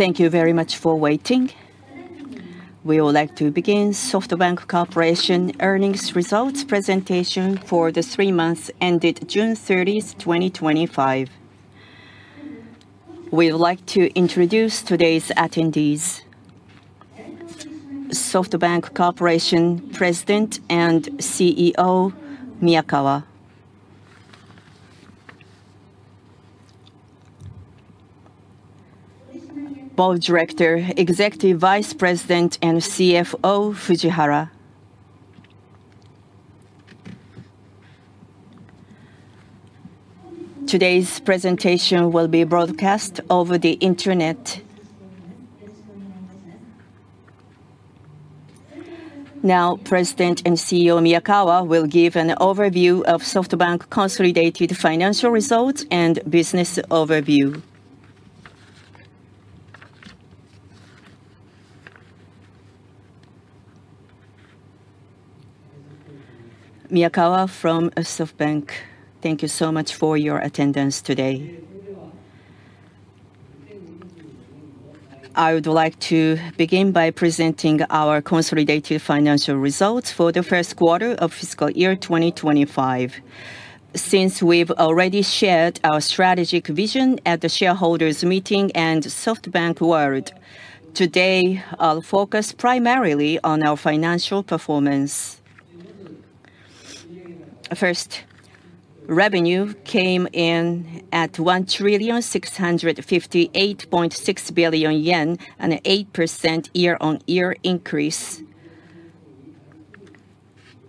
Thank you very much for waiting. We would like to begin SoftBank Corporation. earnings results presentation for the three months ended June 30, 2025. We would like to introduce today's attendees. SoftBank Corporation. President and CEO Miyakawa, Board Director, Executive Vice President, and CFO Fujihara. Today's presentation will be broadcast over the Internet. Now President and CEO Miyakawa will give an overview of SoftBank consolidated financial results and business overview. Miyakawa from SoftBank, thank you so much for your attendance today. I would like to begin by presenting our consolidated financial results for the first quarter of fiscal year 2025. Since we've already shared our strategic vision at the shareholders meeting SoftBank World today, I'll focus primarily on our financial performance. First, revenue came in at 1,658.6 billion yen, an 8% year-on-year increase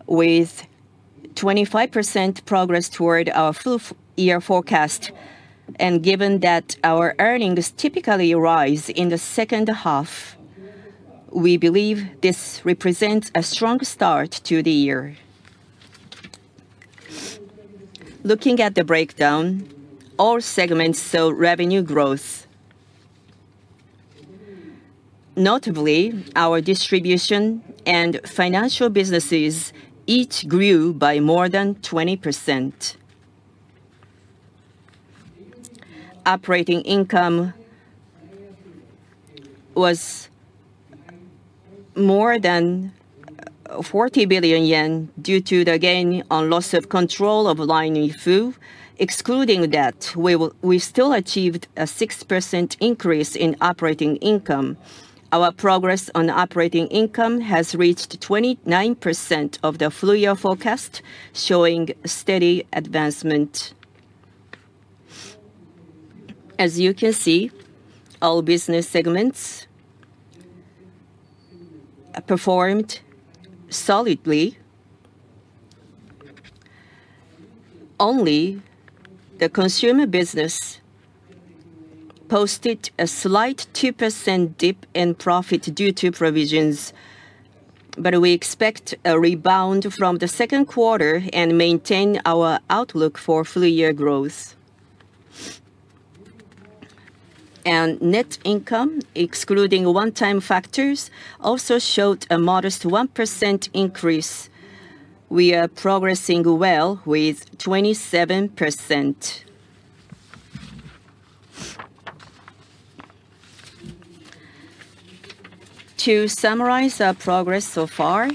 with 25% progress toward our full-year forecast. Given that our earnings typically rise in the second half, we believe this represents a strong start to the year. Looking at the breakdown, all segments saw revenue growth. Notably, our distribution and financial businesses each grew by more than 20%. Operating income was more than 40 billion yen due to the gain on loss of control of LINE Yahoo. Excluding that, we still achieved a 6% increase in operating income. Our progress on operating income has reached 29% of the full-year forecast, showing steady advancement. As you can see, all business segments performed solidly. Only the consumer business posted a slight 2% dip in profit due to provisions. We expect a rebound from the second quarter and maintain our outlook for full-year growth, and net income excluding one-time factors also showed a modest 1% increase. We are progressing well with 27%. To summarize our progress so far,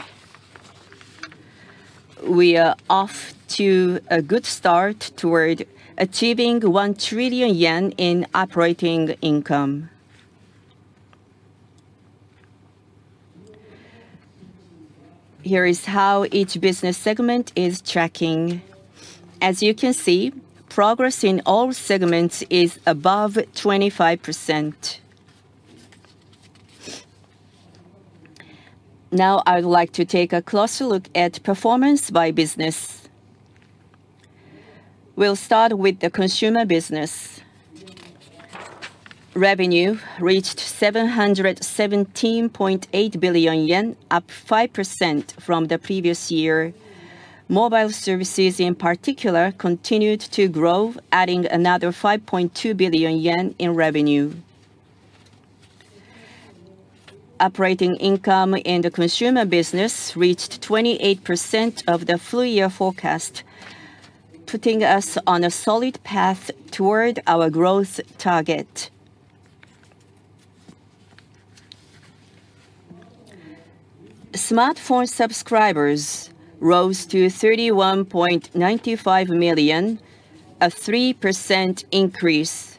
we are off to a good start toward achieving 1 trillion yen in operating income. Here is how each business segment is tracking. As you can see, progress in all segments is above 25%. Now I'd like to take a closer look at performance by business. We'll start with the consumer business. Revenue reached 717.8 billion yen, up 5% from the previous year. Mobile services in particular continued to grow, adding another 5.5%, 2 billion yen in revenue. Operating income in consumer business reached 28% of the full-year forecast, putting us on a solid path toward our growth target. Smartphone subscribers rose to 31.95 million, a 3% increase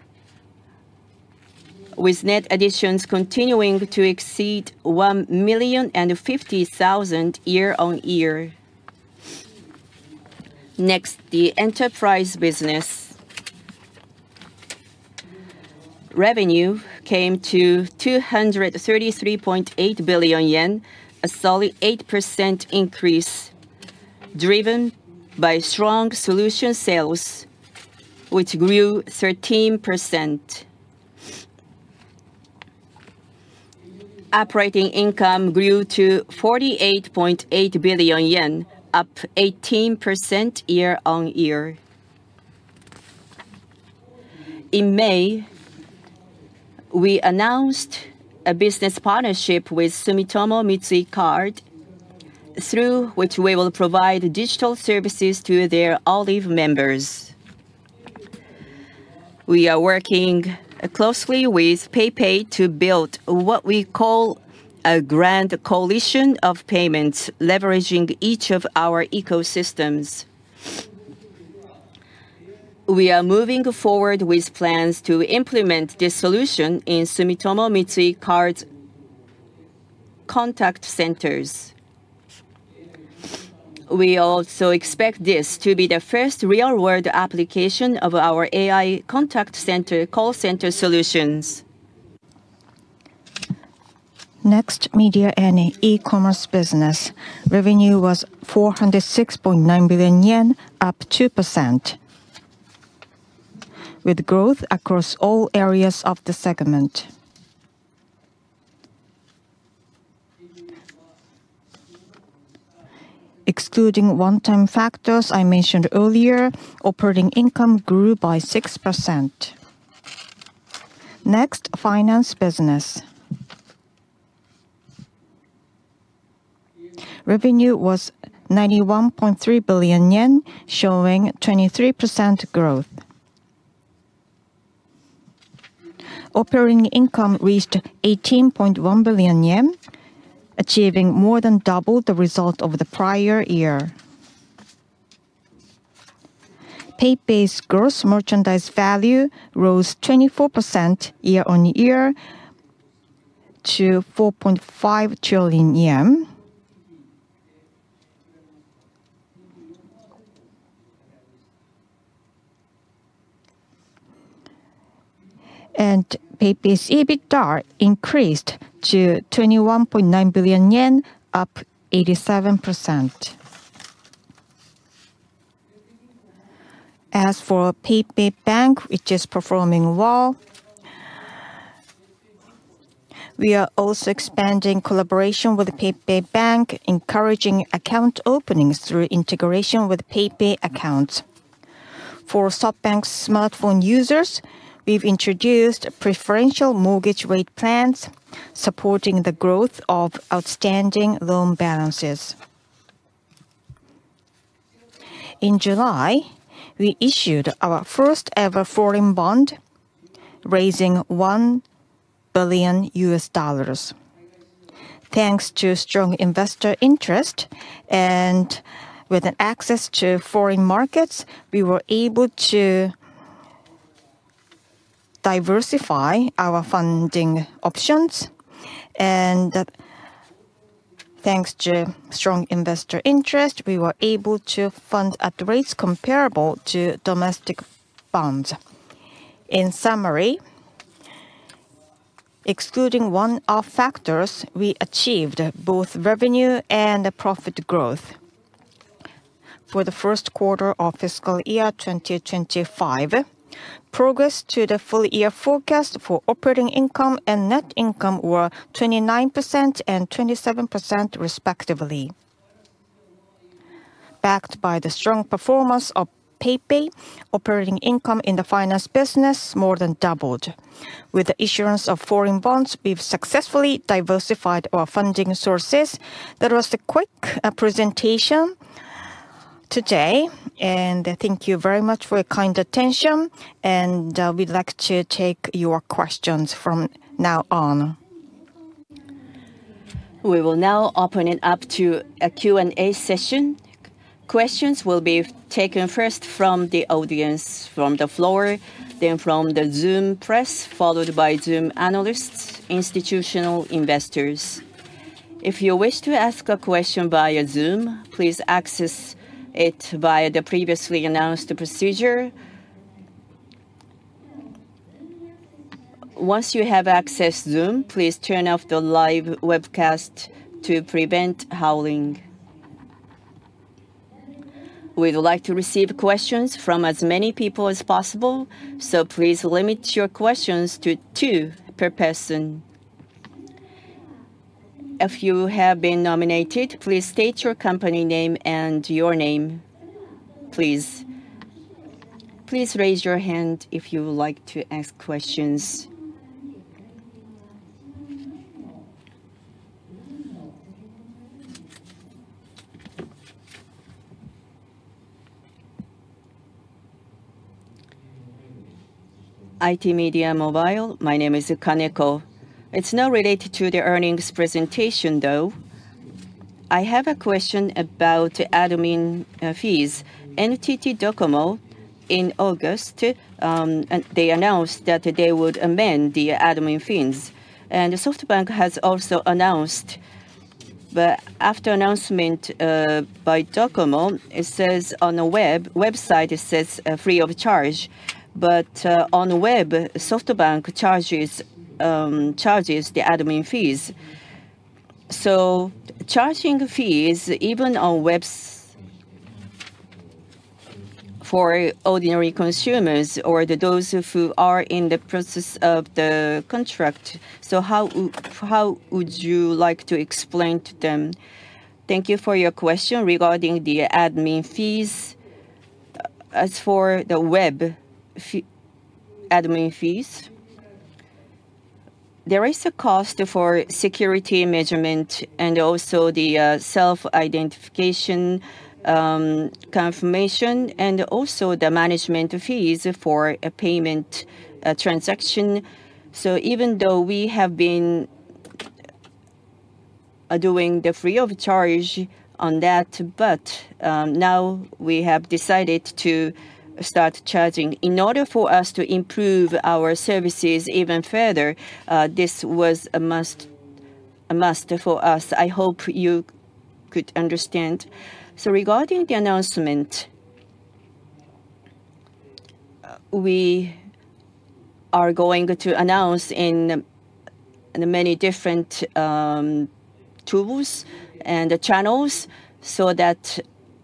with net additions continuing to exceed 1,050,000 year on year. Next, the enterprise business revenue came to 233.8 billion yen, a solid 8% increase driven by strong solution sales, which grew 13%. Operating income grew to 48.8 billion yen, up 18% year-on-year. In May, we announced a business partnership with Sumitomo Mitsui Card through which we will provide digital services to their Olive members. We are working closely with PayPay to build what we call a grand coalition of payments, leveraging each of our ecosystems. We are moving forward with plans to implement this solution in Sumitomo Mitsui Card's Contact Centers. We also expect this to be the first real world application of our AI Contact Center Call Center Solutions. Next media and e-commerce business revenue was 406.9 billion yen, up 2% with growth across all areas of the segment. Excluding one-term factors I mentioned earlier, operating income grew by 6%. Next finance business revenue was 91.3 billion yen, showing 23% growth. Operating income reached 18.1 billion yen, achieving more than double the result of the prior year. PayPay's gross merchandise value rose 24% year on year to JPY 4.5 trillion and PayPay's EBITDA increased to 21.9 billion yen, up 87%. As for PayPay Bank, which is performing well, we are also expanding collaboration with PayPay Bank, encouraging account openings through integration with PayPay accounts. For SoftBank smartphone users, we've introduced preferential mortgage rate plans supporting the growth of outstanding loan balances. In July, we issued our first ever foreign bond raising $1 billion. Thanks to strong investor interest and with access to foreign markets, we were able to diversify our funding options, and thanks to strong investor interest, we were able to fund at rates comparable to domestic bonds. In summary, excluding one-off factors, we achieved both revenue and profit growth. The first quarter of fiscal year 2025. Progress to the full year forecast for operating income and net income were 29% and 27% respectively. Backed by the strong performance of PayPay, operating income in the finance business more than doubled. With the issuance of foreign bonds, we've successfully diversified our funding sources. That was a quick presentation today, and thank you very much for your kind attention. We'd like to take your questions from now on. We will now open it up to a Q and A session. Questions will be taken first from the audience from the floor, then from the Zoom press, followed by Zoom analysts and institutional investors. If you wish to ask a question via Zoom, please access it via the previously announced procedure. Once you have accessed Zoom, please turn off the live webcast to prevent howling. We'd like to receive questions from as many people as possible, so please limit your questions to two per person. If you have been nominated, please state your company name and your name, please. Please raise your hand if you would like to ask. Question. ITmedia Mobile. My name is Kaneko. It's not related to the earnings presentation, though. I have a question about administrative fees. NTT Docomo in August announced that they would amend the administrative fees, and SoftBank has also announced, but after the announcement by Docomo, it says on the website it says free of charge, but on the web SoftBank charges the administrative fees, so charging fees even on the web for ordinary consumers or those who are in the process of the contract. How would you like to explain to them? Thank you for your question regarding the administrative fees. As for the web administrative fees, there is a cost for security measurement and also the self-identification confirmation and also the management fees for a payment transaction. Even though we have been doing the free of charge on that, now we have decided to start charging in order for us to improve our services even further. This was a must for us. I hope you could understand. Regarding the announcement, we are going to announce in many different tools and channels so that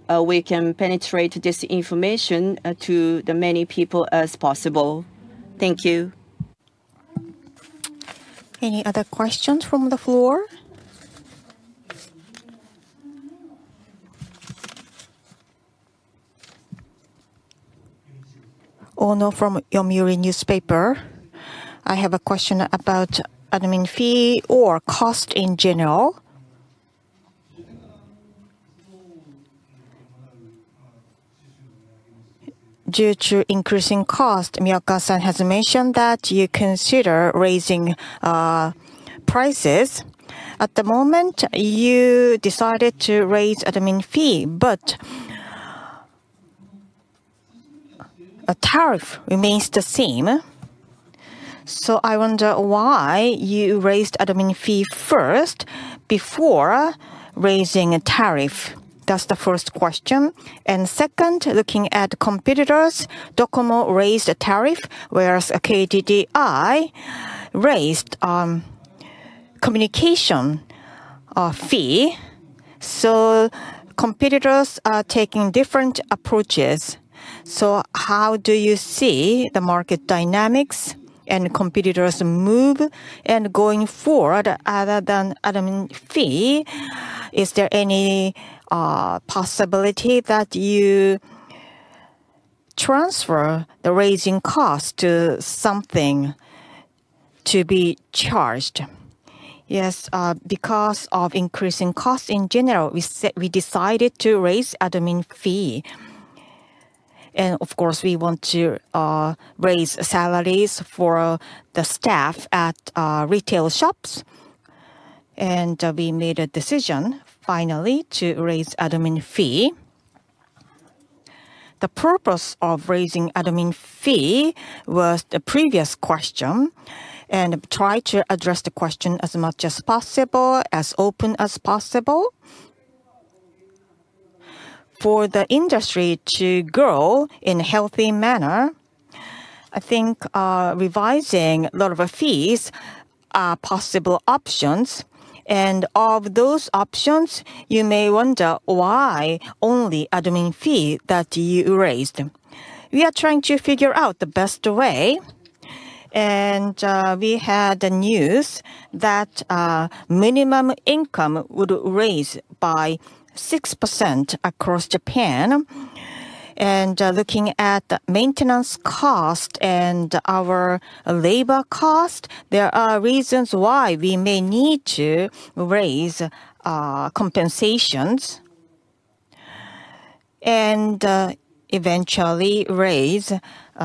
we can penetrate this information to as many people as possible. Thank you. Any other questions from the floor? One from Yomiuri Shimbun newspaper I have a question about admin fee or cost in general, due to increasing cost. Mio cassan has mentioned that you consider raising prices at the moment you decided to raise admin fee, but a tariff remains the same. So I wonder why you raised admin fee first before raising a tariff. That's the first question. And second, looking at competitors, Docomo raised a tariff, whereas a KDDI raised communication fee. So competitors are taking different approaches. So how do you see the market dynamics and competitors move and going forward other than other fee, is there any possibility that you transfer the raising cost to something to be charged. Yes, because of increasing costs in general, we decided to raise administrative fee. Of course, we want to raise salaries for the staff at retail shops, and we made a decision finally to raise administrative fee. The purpose of raising administrative fee was the previous question, and try to address the question as much as possible, as open as possible, for the industry to grow in a healthy manner. I think revising a lot of fees, possible options, and of those options you may wonder why only administrative fee that you raised? We are trying to figure out the best way, and we had the news that minimum income would raise by 6% across Japan. Looking at the maintenance cost and our labor cost, there are reasons why we may need to raise compensations and eventually raise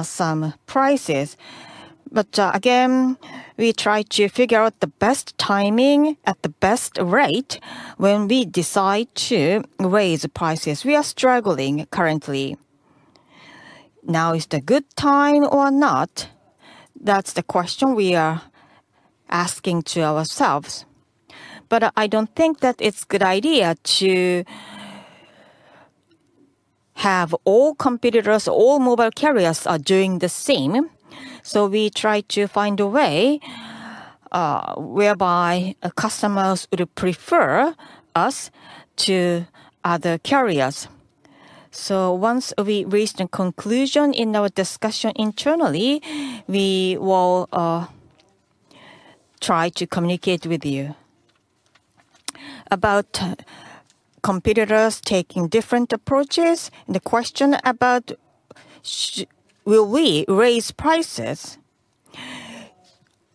some prices. Again, we try to figure out the best timing at the best rate when we decide to raise prices. We are struggling currently. Now is the good time or not? That's the question we are asking ourselves. I don't think that it's a good idea to have all competitors, all mobile carriers, doing the same. We try to find a way whereby customers would prefer us to other carriers. Once we reached a conclusion in our discussion internally, we will try to communicate with you about competitors taking different approaches. The question about will we raise prices?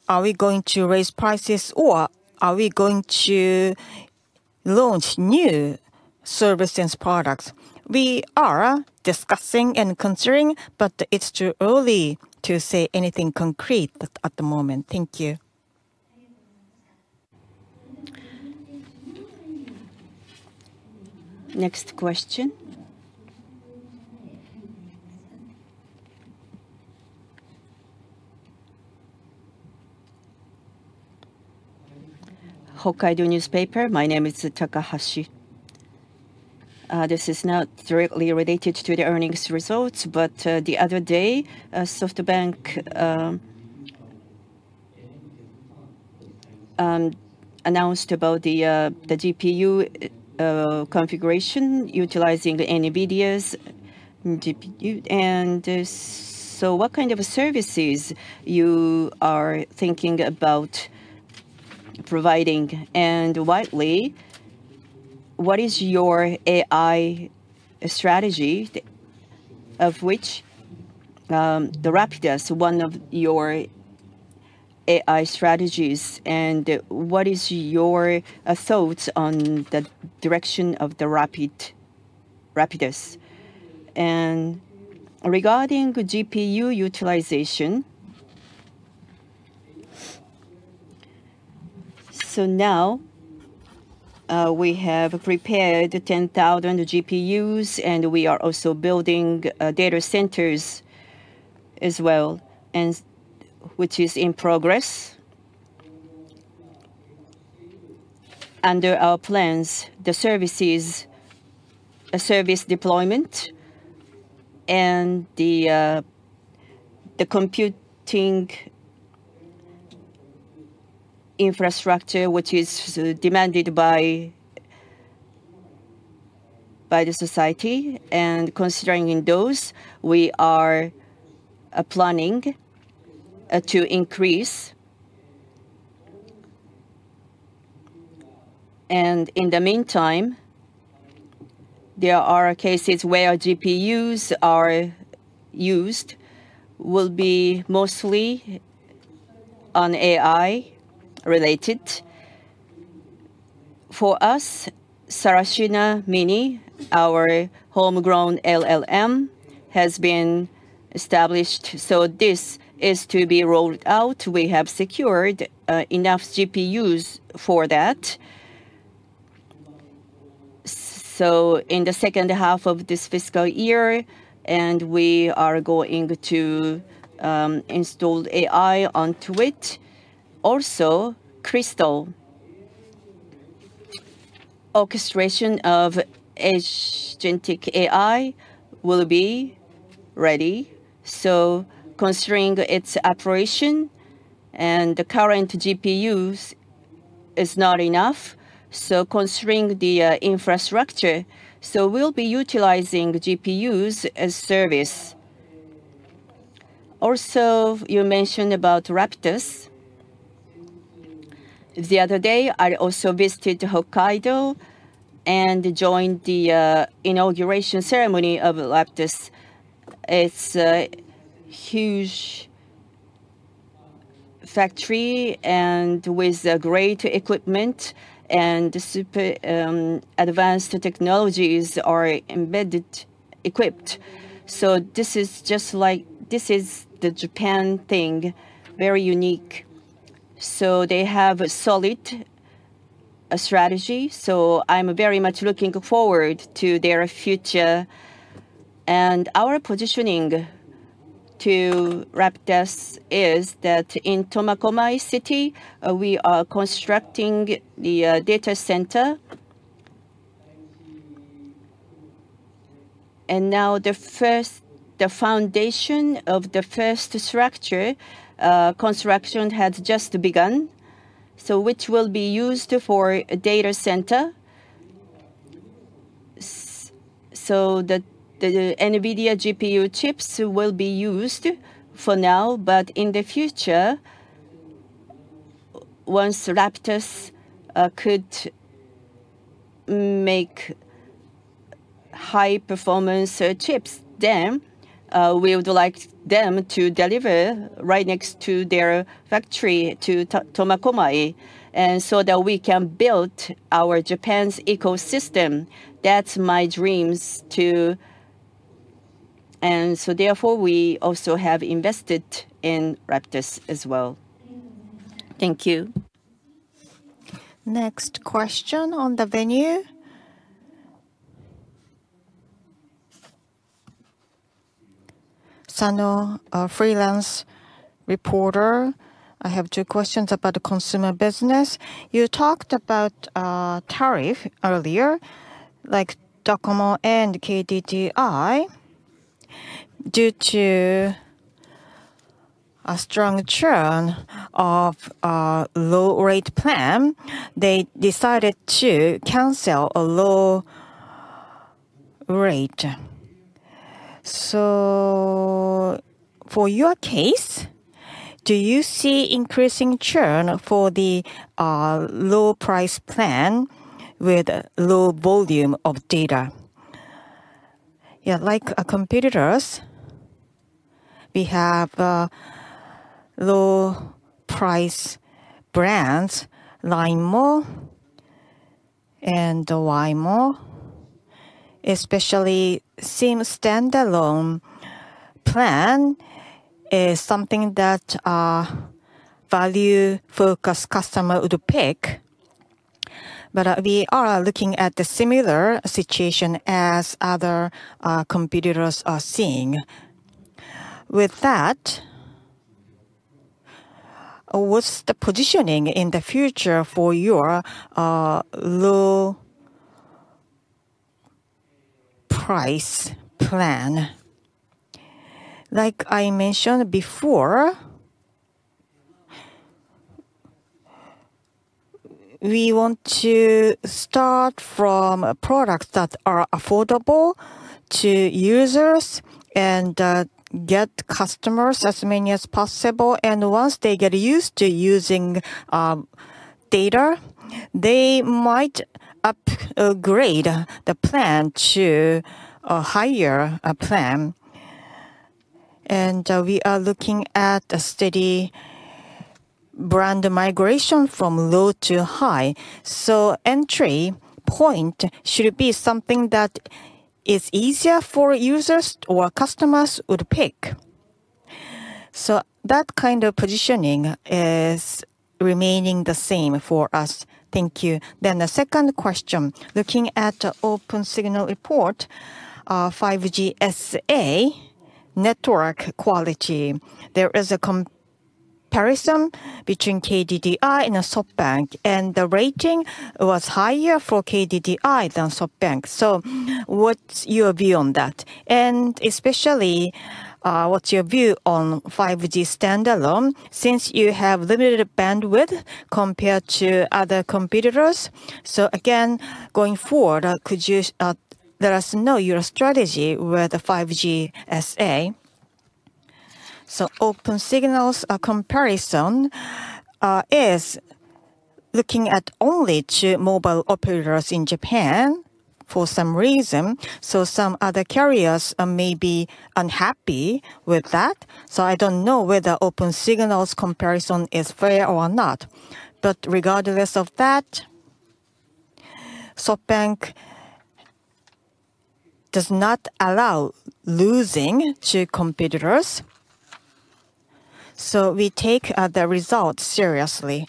Are we going to raise prices or are we going to launch new services, products we are discussing and considering, but it's too early to say anything concrete at the moment. Thank you. Next question. Hokkaido Shimbun newspaper. My name is Takahashi. This is not directly related to the earnings results, but the other day SoftBank announced about the GPU configuration utilizing NVIDIA's, and what kind of services you are thinking about providing and widely what is your AI strategy, of which the Rapidus one of your AI strategies, and what is your thoughts on the direction of the Rapidus and regarding GPU utilization? We have prepared 10,000 GPUs and we are also building data centers as well, which is in progress under our plans. The services, a service deployment, and the computing infrastructure which is demanded by the society, and considering those, we are planning to increase. In the meantime, there are cases where GPUs are used, will be mostly on AI related for us. Sarashina Mini, our homegrown LLM, has been established, so this is to be rolled out. We have secured enough CPUs for that, so in the second half of this fiscal year, we are going to install AI onto it. Also, Crystal Orchestration of Agentic AI will be ready, so considering its operation and the current GPUs is not enough, so considering the infrastructure, we will be utilizing GPU-as-a-Service. You mentioned about Rapidus. The other day, I also visited Hokkaido and joined the inauguration ceremony of Rapidus. It's a huge factory and with great equipment and super advanced technologies are equipped. This is just like, this is the Japan thing, very unique, so they have a solid strategy. I am very much looking forward to their future, and our positioning to Rapidus is that in Tomakomai City, we are constructing the data center, and now the foundation of the first structure construction has just begun, which will be used for data center. The NVIDIA GPU chips will be used for now, but in the future, once Rapidus could make high performance chips, then we would like them to deliver right next to their factory to Tomakomai, and so that we can build our Japan's ecosystem. That's my dreams too. Therefore, we also have invested in Rapidus as well. Thank you. Next question on the venue. Sano, a freelance reporter. I have two questions about consumer business. You talked about tariff earlier like Docomo and KDDI, due to a strong churn of low rate plan, they decided to cancel a low rate. For your case, do you see increasing churn for the low price plan with low volume of data? Yeah, like competitors we have low price brands LINEMO and Y!mobile, especially SIM standalone plan is something that value focus customer would pick. We are looking at the similar situation as other competitors are seeing with that. What's the positioning in the future for your low price plan? Like I mentioned before, we want to start from products that are affordable to users and get customers as many as possible. Once they get used to using data, they might upgrade the plan to a higher plan. We are looking at a steady brand migration from low to high. Entry point should be something that is easier for users or customers would pick. That kind of positioning is remaining the same for us. Thank you. The second question. Looking at Opensignal report 5G sample network quality, there is a comparison between KDDI and SoftBank and the rating was higher for KDDI than SoftBank. What's your view on that? Especially what's your view on 5G standalone since you have limited bandwidth compared to other competitors. Again going forward, could you. There is no unique strategy with 5G SA. Opensignal's comparison is looking at only two mobile operators in Japan for some reason. Some other carriers may be unhappy with that. I don't know whether Opensignal's comparison is fair or not. Regardless of that, SoftBank does not allow losing to competitors. We take the results seriously.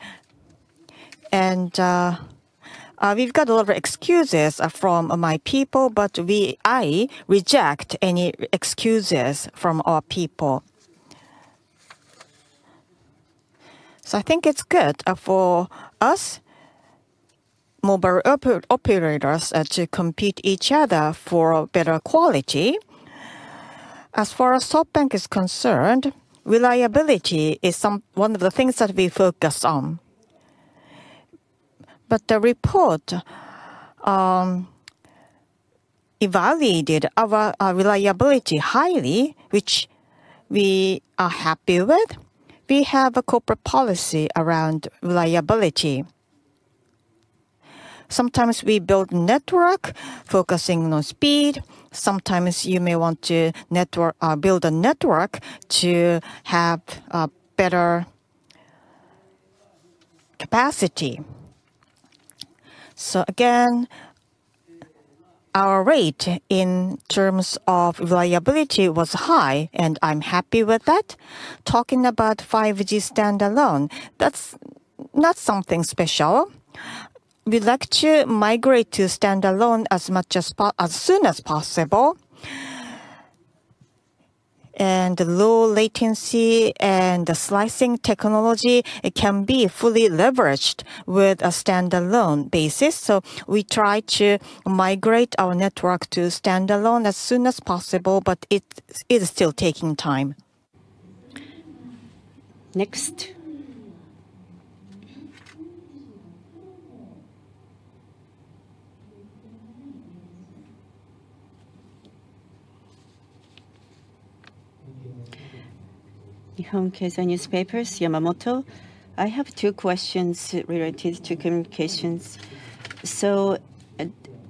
We've got a lot of excuses from my people, but I reject any excuses from our people. I think it's good for us mobile operators to compete with each other for better quality. As far as SoftBank is concerned, reliability is one of the things that we focus on. The report evaluated our reliability highly, which we are happy with. We have a corporate policy around reliability. Sometimes we build network focusing on speed. Sometimes you may want to build a network to have a better capacity. Our rate in terms of reliability was high and I'm happy with that. Talking about 5G standalone, that's not something special. We like to migrate to standalone as soon as possible and low latency and slicing technology can be fully leveraged with a standalone basis. We try to migrate our network to standalone as soon as possible but it is still taking time. Next Newspapers Yamamoto, I have two questions related to communications.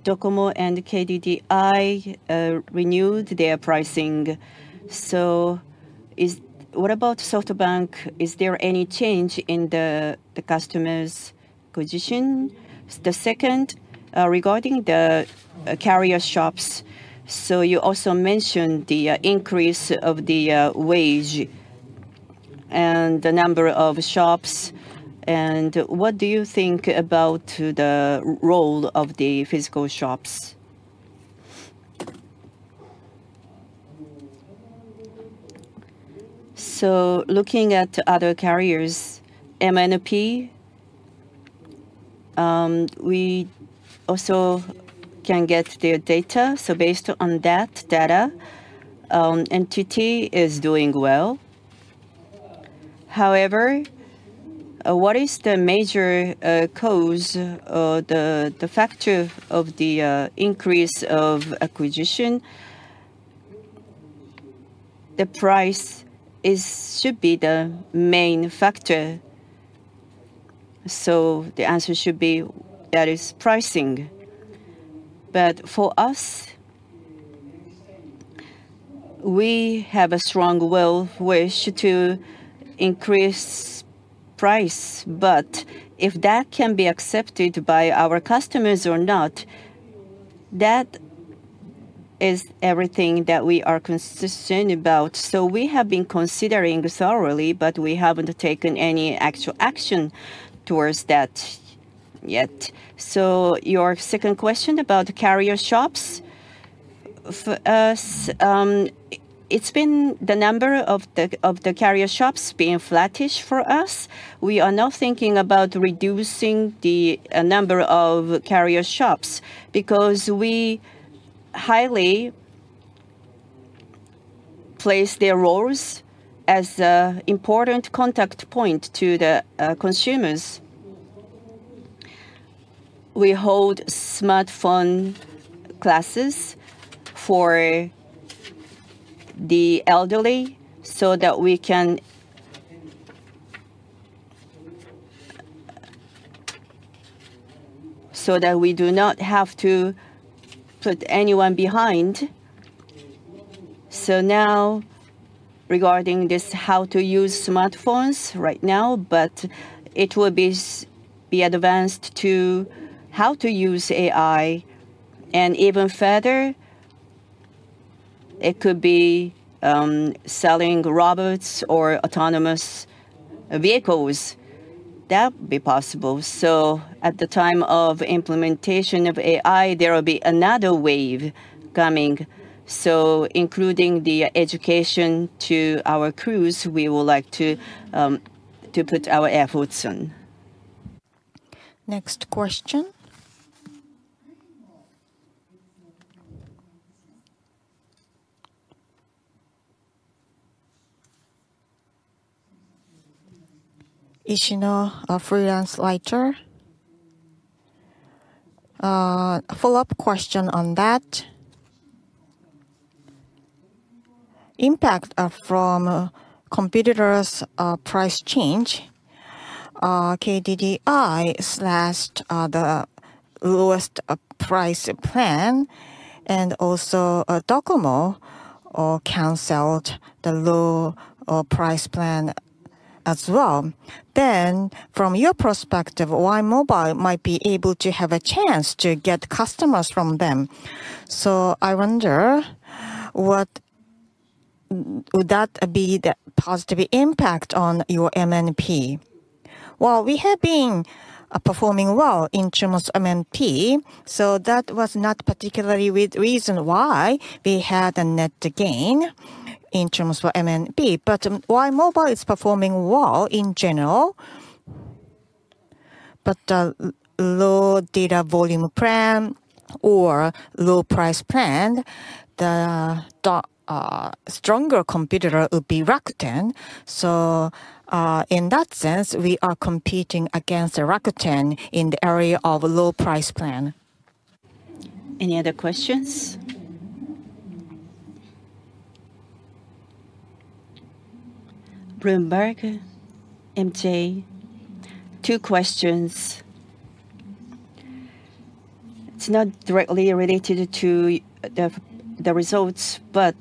Docomo and KDDI renewed their pricing. What about SoftBank? Is there any change in the customer's position? The second is regarding the carrier shops. You also mentioned the increase of the wage and the number of shops. What do you think about the role of the physical shop? Looking at other carriers, MNP, we also can get their data. Based on that data, NTT is doing well. However, what is the major cause, the factor of the increase of acquisition? The price should be the main factor. The answer should be that is pricing. For us, we have a strong will, wish to increase price, but if that can be accepted by our customers or not, that is everything that we are consistent about. We have been considering thoroughly, but we haven't taken any actual action towards that yet. Your second question about carrier shops, for us, it's been the number of the carrier shops being flattish. For us, we are now thinking about reducing the number of carrier shops because we highly place their roles as important contact point to the consumers. We hold smartphone classes for the elderly so that we do not have to put anyone behind. Now, regarding this, how to use smartphones right now, but it will be advanced to how to use AI, and even further, it could be selling robots or autonomous vehicles, that be possible. At the time of implementation of AI, there will be another wave coming. Including the education to our crews, we would like to put our efforts. Next question, Ishino, freelance writer. Follow. A question on that impact from competitors' price change. KDDI slashed the lowest price plan, and also Docomo cancelled the low price plan as well. From your perspective, Y!mobile might be able to have a chance to get customers from them. I wonder what would be the positive impact on your MNP? We have been performing well in Chunwood's MNP, so that was not particularly a weak reason why we had a net gain in terms of MNP. Y!mobile is performing well in general, but for low data volume plan or low price plan, the stronger competitor would be Rakuten. In that sense, we are competing against Rakuten in the area of low price plan. Any other questions? Bloomberg MJ, two questions. It's not directly related to the results, but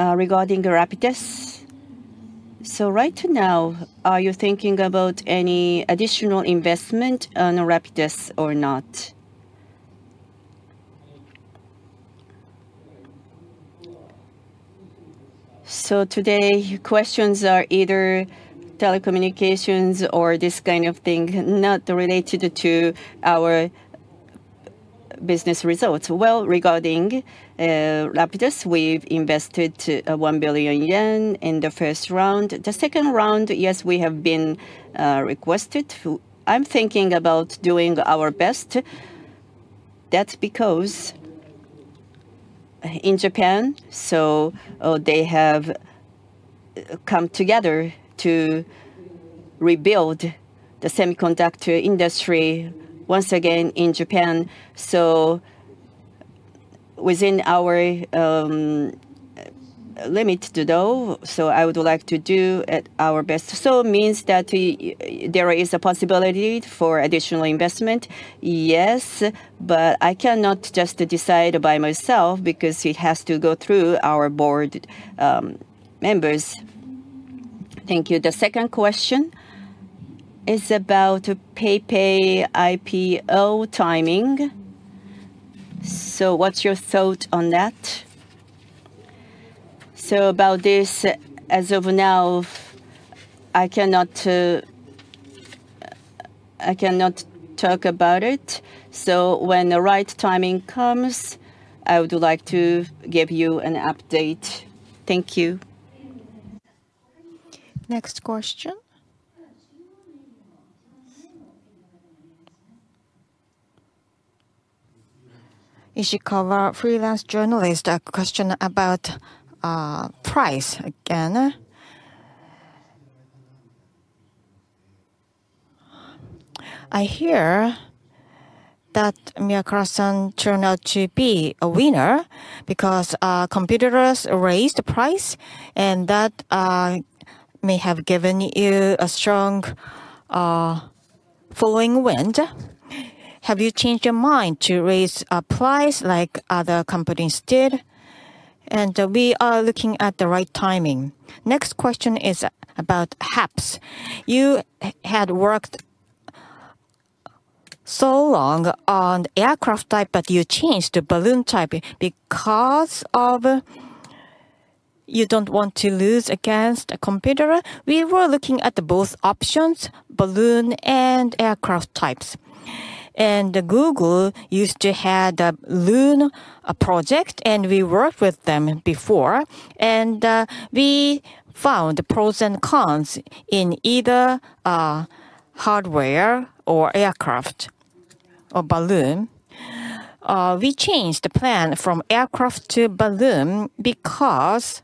regarding Rapidus. Right now, are you thinking about any additional investment on Rapidus or not? Today, questions are either telecommunications or this kind of thing not related to our business results. Regarding Rapidus, we've invested 1 billion yen in the first round. The second round, yes, we have been requested for, so I'm thinking about doing our best. That's because in Japan, they have come together to rebuild the semiconductor industry once again in Japan. Within our limit too, though, I would like to do our best. So, does that mean there is a possibility for additional investment? Yes, but I cannot just decide by myself because it has to go through our board members. Thank you. The second question is about PayPay IPO timing. What's your thought on that? About this, as of now, I cannot. I cannot talk about it. When the right timing comes, I would like to give you an update. Thank you. Next question. Ishikawa, freelance journalist. A question about price. Again, I hear that Mia Carlson turned out to be a winner because competitors raised price and that may have given you a strong following wind. Have you changed your mind to raise a price like other companies did? We are looking at the right timing. Next question is about perhaps you had worked so long on aircraft type but you changed the balloon type because you don't want to lose against a computer. We were looking at both options, balloon and aircraft types, and Google used to have balloon project and we worked with them before and we found pros and cons in either hardware or aircraft or balloon. We changed the plan from aircraft to balloon because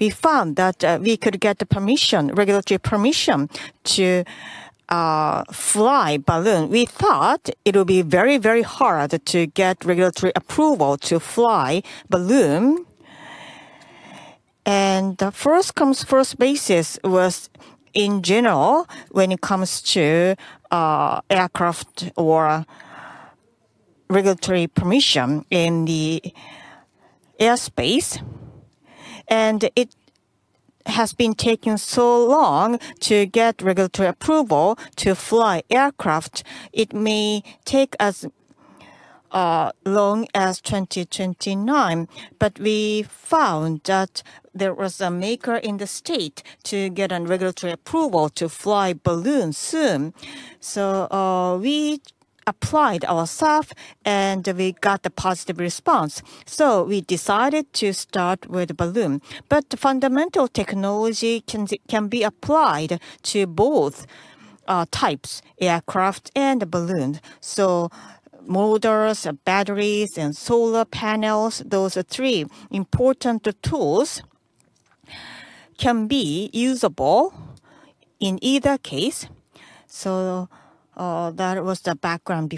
we found that we could get the regulatory permission to fly balloon. We thought it would be very, very hard to get regulatory approval to fly balloon. The first comes first basis was in general when it comes to aircraft or regulatory permission in the airspace. It has been taking so long to get regulatory approval to fly aircraft. It may take as long as 2029, but we found that there was a maker in the state to get a regulatory approval to fly balloons soon. We applied ourselves and we got a positive response. We decided to start with balloon. Fundamental technology can be applied to both types, aircraft and balloon. Motors, batteries, and solar panels, those three important tools can be usable in either case. That was the background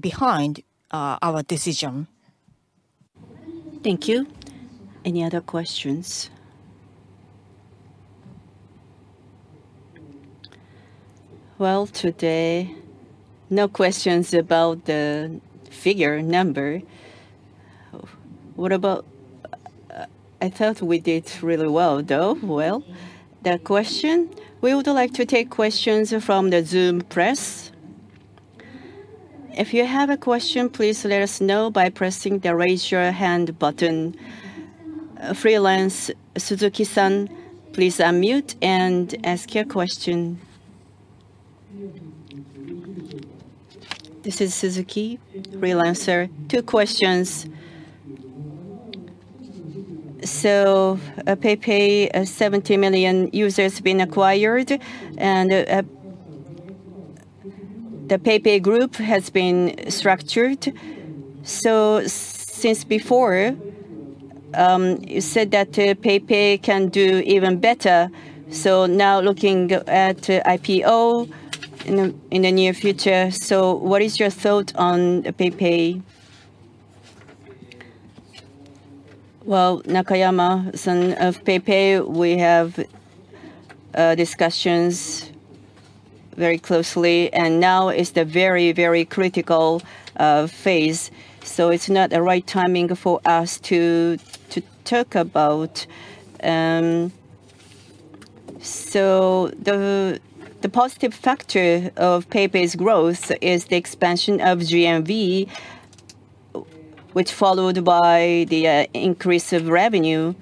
behind our decision. Thank you. Any other questions? Today no questions about the figure number. What about. I thought we did really well though. The question, we would like to take questions from the Zoom press. If you have a question, please let us know by pressing the raise your hand button. Freelance Suzuki-san, please unmute and ask your question. This is Suzuki. Freelancer, two questions. So PayPay, 70 million users been acquired and the PayPay group has been structured. Since before you said that PayPay can do even better. Now looking at IPO in the near future. What is your thought on PayPay? Nakayama-san of PayPay, we have discussions very closely and now is the very, very critical phase. It's not the right timing for us to talk about the positive factor of PayPay's growth is the expansion of GMV, which followed by the increase of revenue,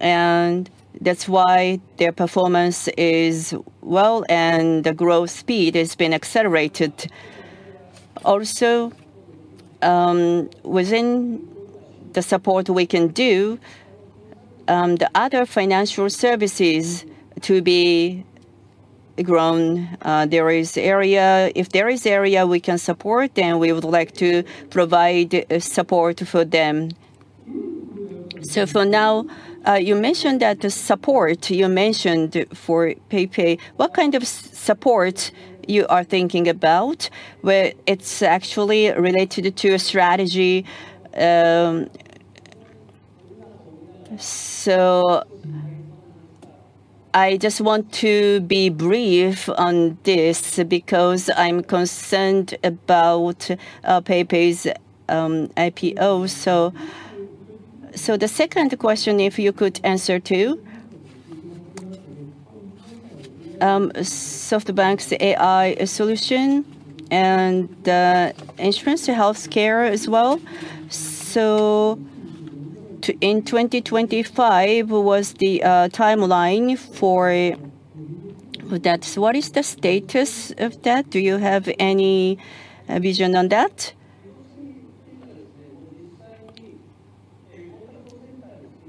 and that's why their performance is well and the growth speed has been accelerated. Also within the support, we can do the other financial services to be grown. There is area, if there is area, we can support and we would like to provide support for them. For now, you mentioned that the support you mentioned for PayPay, what kind of support you are thinking about, it's actually related to the two strategy. I just want to be brief on this because I'm concerned about PayPay's IPO. The second question, if you could answer to SoftBank's AI solutions and insurance health care as well. In 2025 was the timeline for that? What is the status of that? Do you have any vision on that?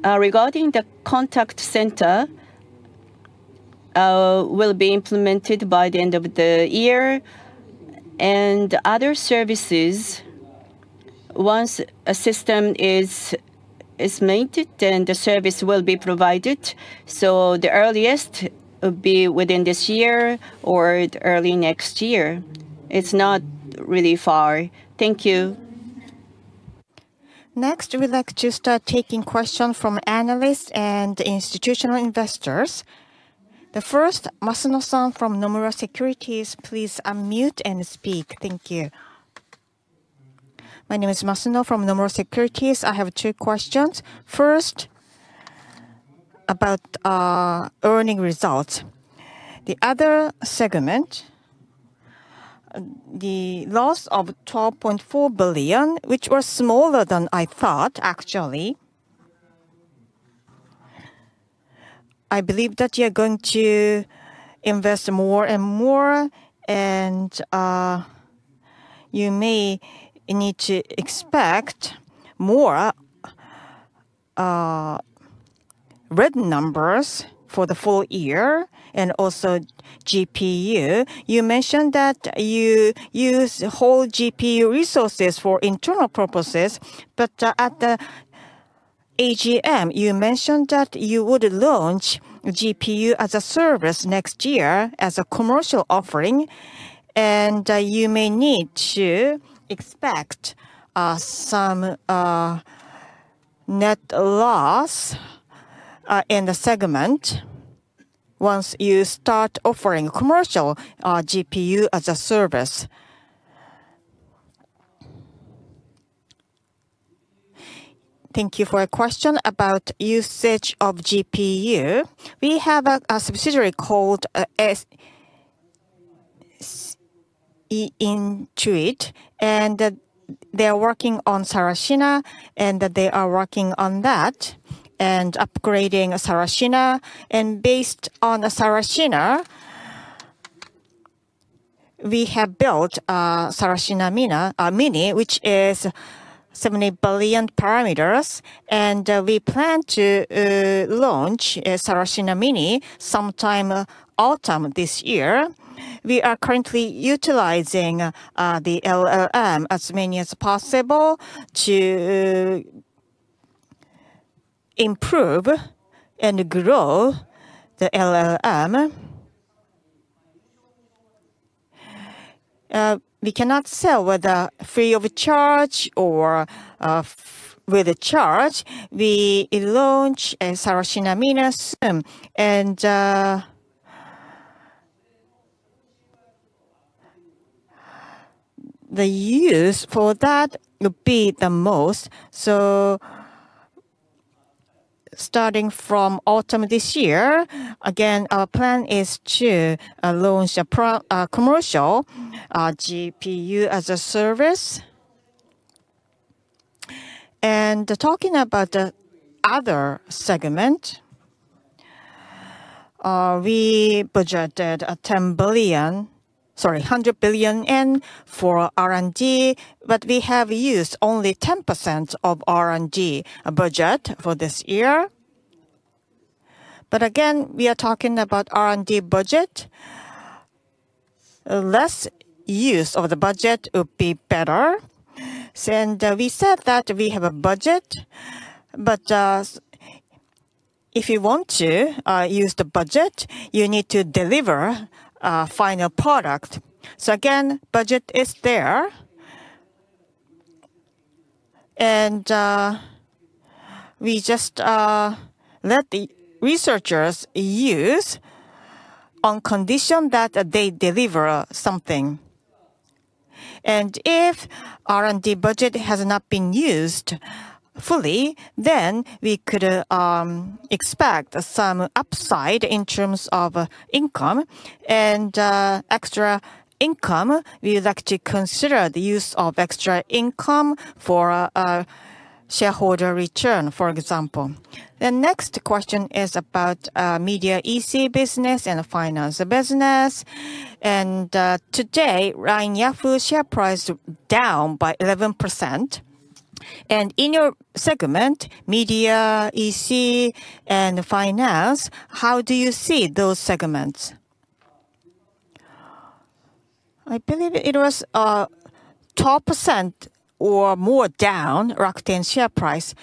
Regarding the contact center, will be implemented by the end of the year and other services. Once a system is estimated, then the service will be provided. The earliest will be within this year or early next year. It's not really far. Thank you. Next, we'd like to start taking questions from analysts and institutional investors. The first, Masuno san from Nomura Securities. Please unmute and speak. Thank you. My name is Masuno from Nomura Securities. I have two questions. First, about earning results. The other segment, the loss of 12.4 billion, which was smaller than I thought. Actually, I believe that you're going to invest more and more and you may need to expect more red numbers for the full year. Also, GPU, you mentioned that you use whole GPU resources for internal purposes. At the AGM you mentioned that you would launch GPU-as-a-Service next year as a commercial offering. You may need to expect some net loss in the segment once you start offering commercial GPU-as-a-Service. Thank you. For a question about usage of GPU, we have a subsidiary called SE Intuit and they are working on Sarashina and they are working on that and upgrading Sarashina. Based on the Sarashina, we have built Sarashina Mini, which is 70 billion parameters, and we plan to launch Sarashina Mini sometime autumn this year. We are currently utilizing the LLM as many as possible to improve and grow the LLM. We cannot sell whether free of charge or with a charge, we launch a Sarashina Mini sim and the use for that would be the most, so starting from autumn this year, again our plan is to launch a commercial GPU-as-a-Service. Talking about the other segment, we budgeted 100 billion yen for R&D but we have used only 10% of the R&D budget for this year. Again, we are talking about R&D budget. Less use of the budget would be better and we said that we have a budget, but if you want to use the budget, you need to deliver final product. Again, budget is there and we just let the researchers use on condition that they deliver something. If R&D budget has not been used fully, then we could expect some upside in terms of income and extra income. We would like to consider the use of extra income for shareholder return For example. The next question is about Media EC business and finance business and today LINE Yahoo share price down by 11% and in your segment media EC and finance, how do you see those segments? I believe it was 12% or more down Rakuten share price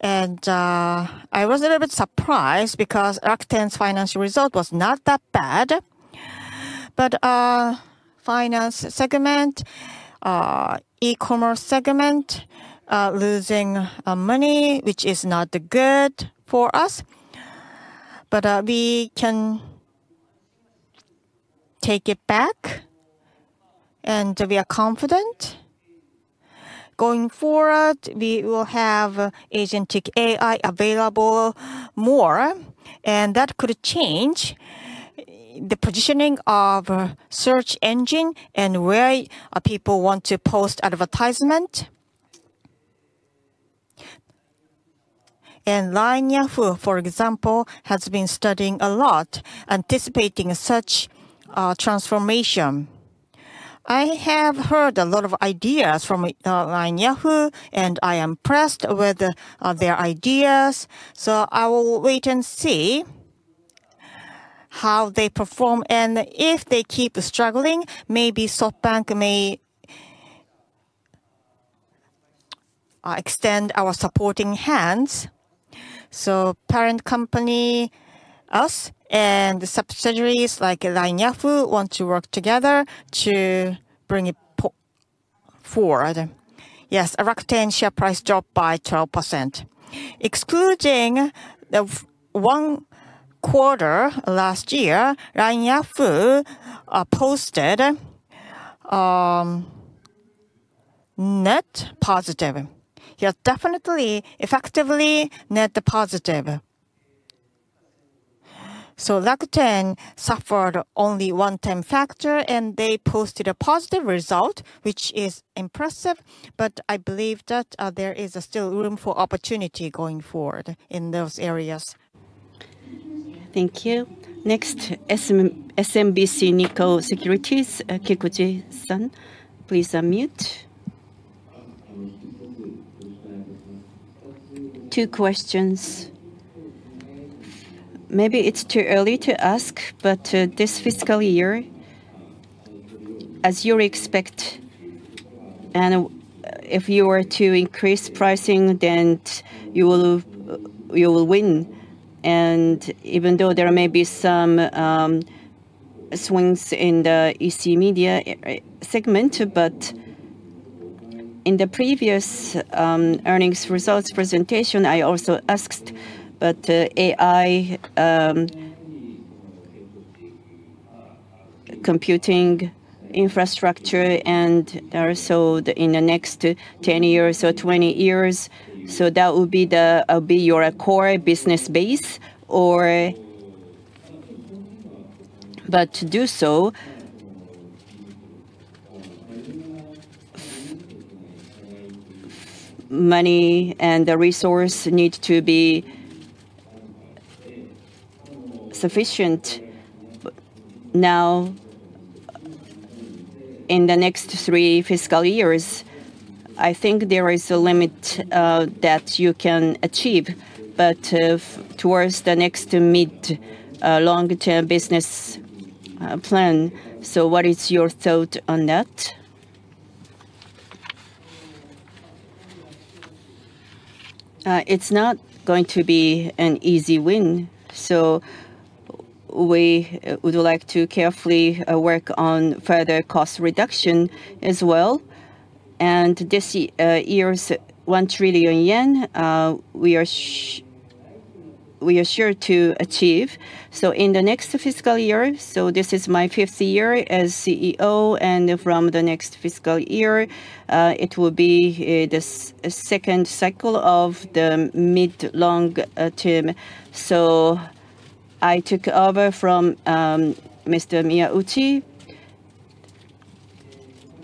and I was a little bit surprised because Rakuten's financial result was not that bad. Finance segment, E-commerce segment losing money which is not good for us. We can take it back and we are confident going forward we will have AgentIQ AI available more and that could change the positioning of search engine and where people want to post advertisement. LINE Yahoo, for example, has been studying a lot anticipating such transformation. I have heard a lot of ideas from LINE Yahoo and I am impressed with their ideas. I will wait and see how they perform and if they keep struggling, maybe SoftBank maybe we extend our supporting hands. Parent company U.S. and subsidiaries like LINE Yahoo want to work together to bring it forward. Yes, Rakuten share price dropped by 12% excluding the one quarter last year. LINE Yahoo posted net positive, yes, definitely effectively net positive. Rakuten suffered only one time factor and they posted a positive result which is impressive. I believe that there is still room for opportunity going forward in those areas. Thank you. Next, SMBC Nikko Securities, Keikoje-san, please unmute. Two questions. Maybe it's too early to ask, but this fiscal year as you expect and if you were to increase pricing, then you will win. Even though there may be some swings in the EC media segment, in the previous earnings results presentation I also asked about AI computing infrastructure and also in the next 10 years or 20 years. That would be your core business base. To do so, money and the resource need to be sufficient. Now, in the next three fiscal years, I think there is a limit that you can achieve, but towards the next mid long term business plan, what is your thought on that? It's not going to be an easy win, so we would like to carefully work on further cost reduction as well. This year's 1 trillion yen we are sure to achieve, so in the next fiscal year. This is my fifth year as CEO, and from the next fiscal year it will be the second cycle of the mid long term. I took over from Mr. Miyauchi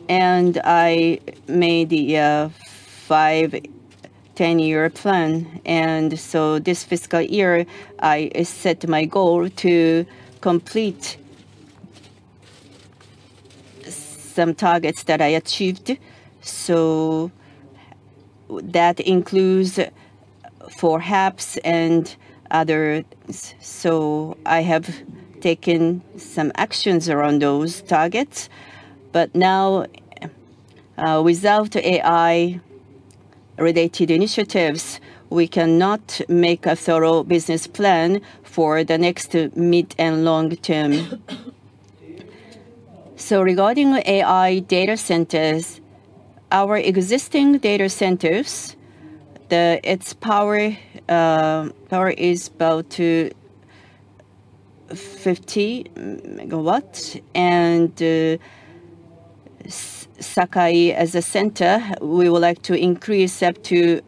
and I made five ten year plan. This fiscal year I set my goal to complete some targets that I achieved. That includes for HAPS and others. I have taken some actions around those targets. Now, without AI related initiatives, we cannot make a thorough business plan for the next mid and long term. Regarding AI data centers, our existing data centers, its power is about 50 MW, and Sakai as a center we would like to increase up to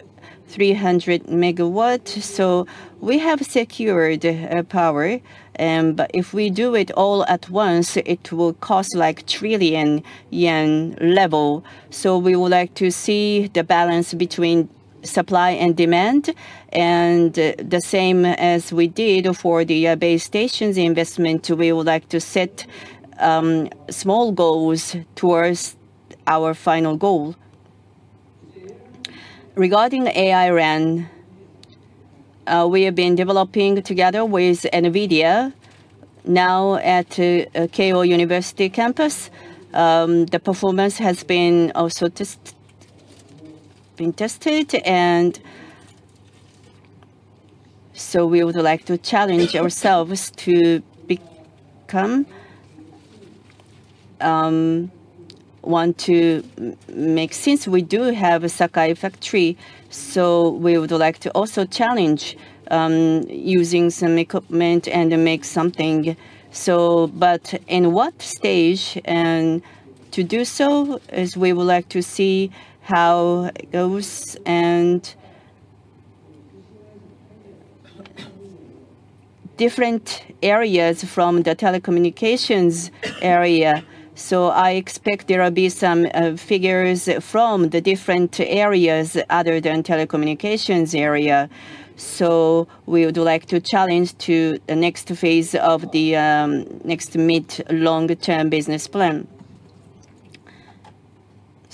300 MW. We have secured power. If we do it all at once, it will cost like 1 trillion yen level. We would like to see the balance between the supply and demand, the same as we did for the base stations investment. We would like to set small goals towards our final goal. Regarding AI RAN, we have been developing together with NVIDIA. Now at Keio University campus, the performance has been also displayed, been tested, and we would like to challenge ourselves to become, want to make, since we do have a Sakai Factory. We would like to also challenge using some equipment and make something. In what stage and to do so, as we would like to see how it goes in different areas from the telecommunications area. I expect there will be some figures from the different areas other than telecommunications area. We would like to challenge to the next phase of the next mid long term business plan.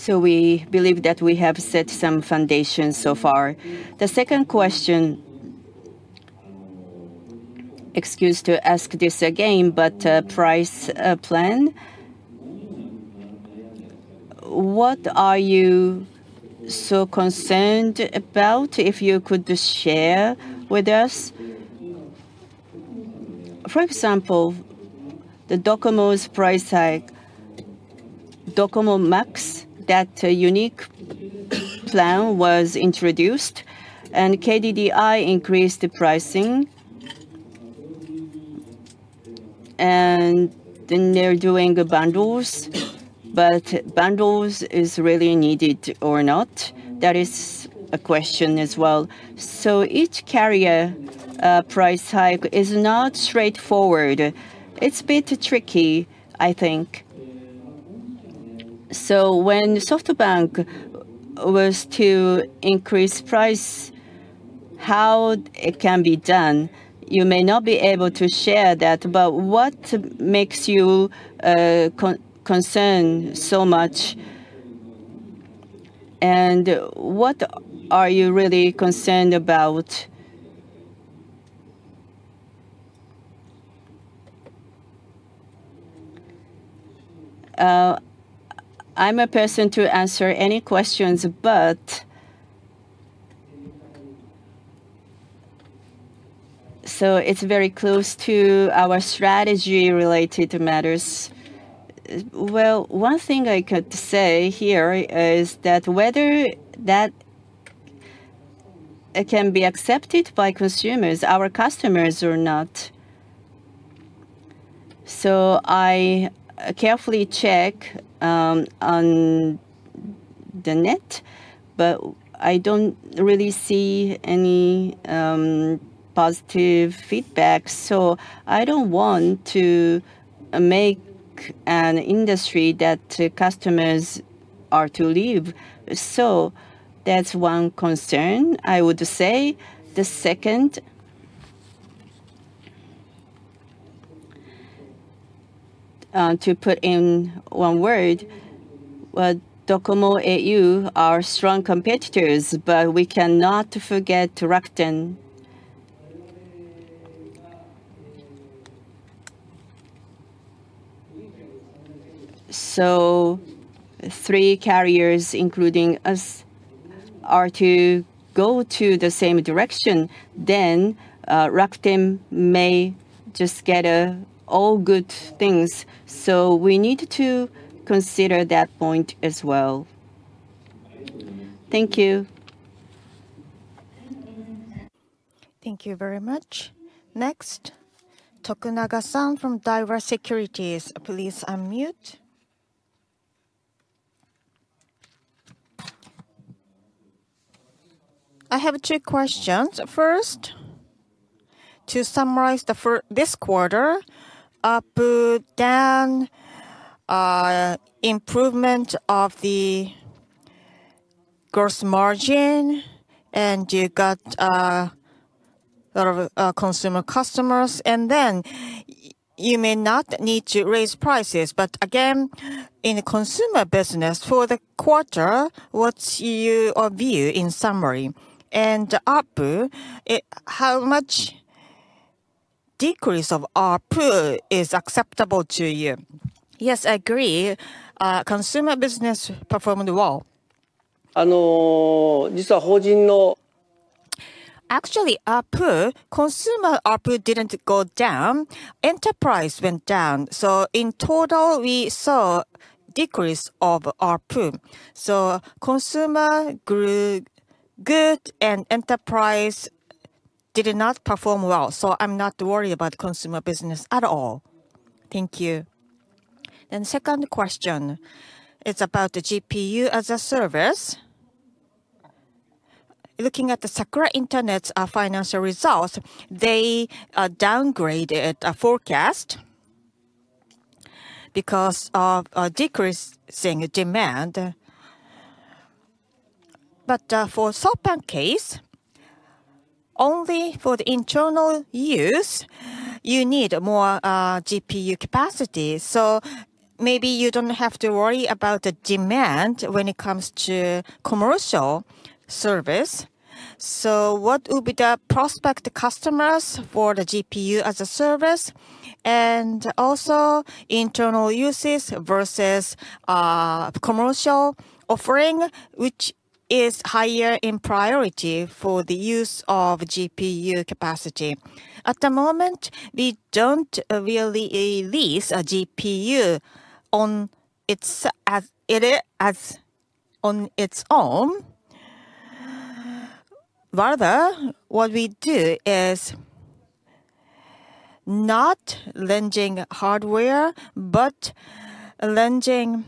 We believe that we have set some foundations so far. The second question. Excuse to ask this again, but price plan, what are you so concerned about? If you could share with us. For example, the Docomo's price tag, Docomo Max, that unique plan was introduced and KDDI increased the pricing, and then they're doing bundles, but bundles are really needed or not? That is a question as well. Each carrier price hike is not straightforward, it's a bit tricky, I think. When SoftBank was to increase price, how it can be done? You may not be able to share that, but what makes you concerned so much and what are you really concerned about? I'm a person to answer any questions, but it's very close to our strategy related matters. One thing I could say here is that whether that can be accepted by consumers, our customers or not. I carefully check on the net, but I don't really see any positive feedback. I don't want to make an industry that customers are to leave, so that's one concern. I would say the second, to put in one word, Docomo, [KDDI] are strong competitors, but we cannot forget Rakuten. Three carriers including us are to go to the same direction. Rakuten may just get all good things, so we need to consider that point as well. Thank you. Thank you very much. Next, Tokunaga-san from Daiwa Securities, please unmute. I have two questions. First, to summarize for this quarter, apparent improvement of the gross margin and you got a lot of consumer customers and then you may not need to raise prices, but again in the consumer business for the quarter, what's your view in summary and ARPU, how much decrease of ARPU is acceptable to you? Yes, I agree consumer business performed well. Actually, ARPU, consumer ARPU didn't go down, enterprise went down, so in total we saw decrease of ARPU. Consumer grew good and enterprise did not perform well, so I'm not worried about consumer business at all. Thank you. Second question is about the GPU-as-a-Service. Looking at the Sakura Internet's financial results, they downgraded forecast because of a decreasing demand, but for SoftBank case, only for the internal use you need more GPU capacity. Maybe you don't have to worry about the demand when it comes to commercial service, so what will be the prospect customers for the GPU-as-a-Service and also internal uses versus commercial offering, which is higher in priority for the use of GPU capacity? At the moment, we don't really release a GPU on its own. Rather, what we do Is not lending hardware but lending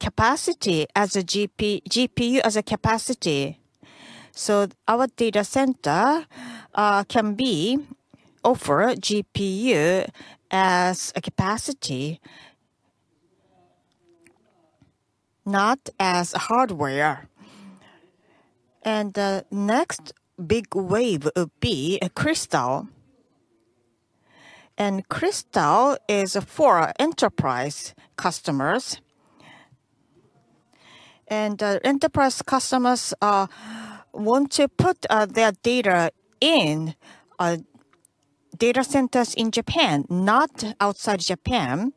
capacity as a GPU-as-a-capacity, so our data center can offer GPU-as-a-capcapacity, not as hardware. The next big wave will be Crystal, and Crystal is for enterprise customers. Enterprise customers want to put their data in data centers in Japan, not outside Japan.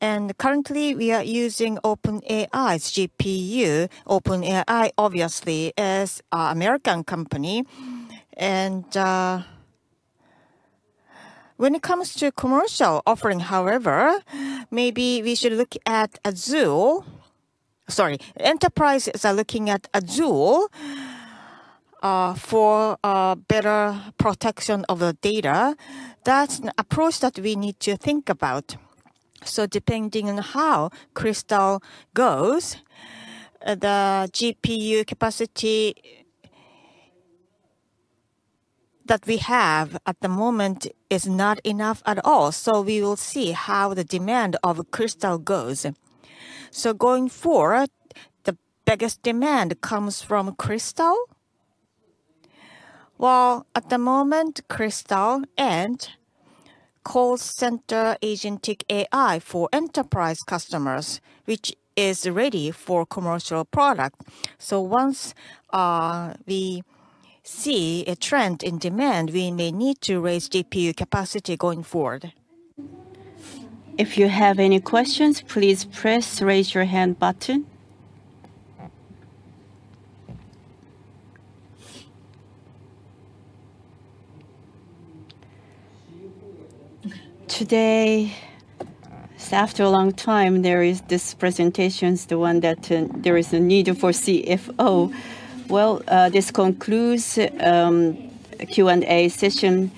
Currently, we are using OpenAI GPU. OpenAI, obviously, is an American company, and when it comes to commercial offering, however, maybe we should look at Azure. Sorry, enterprises are looking at Azure for better protection of the data. That's an approach that we need to think about. Depending on how Crystal goes, the GPU capacity that we have at the moment is not enough at all. We will see how the demand of Crystal goes. Going forward, the biggest demand comes from Crystal, at the moment, Crystal and call center Agentic AI for enterprise customers, which is ready for commercial product. Once we see a trend in demand, we may need to raise GPU capacity going forward. If you have any questions, please press the raise your hand button. Today after a long time, there is this presentation. This is the one that there is a need for CFO. This concludes Q and A session.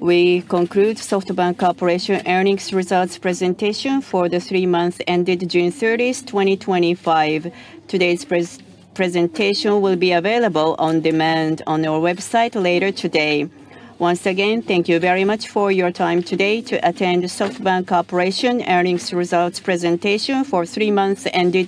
We conclude SoftBank Corporation. earnings results presentation for the three months ended June 30, 2025. Today's presentation will be available on demand on our website later today. Once again, thank you very much for your time today to attend SoftBank Corporation. earnings results presentation for three months ended.